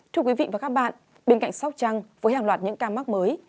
thưa quý vị và các bạn bên cạnh sóc trăng với hàng loạt những ca mắc mới